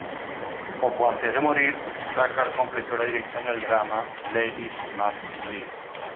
Poco antes de morir, Tucker completó la dirección del drama "Ladies Must Live".